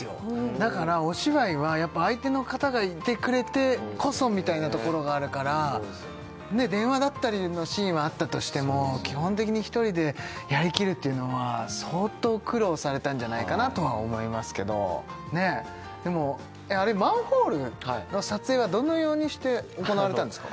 だからお芝居はやっぱ相手の方がいてくれてこそみたいなのところがあるからねっ電話だったりのシーンはあったとしても基本的に１人でやりきるっていうのは相当苦労されたんじゃないかなとは思いますけどマンホールの撮影はどのようにして行われたんですか？